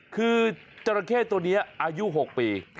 คือจราเข้ตัวนี้อายุ๖ปี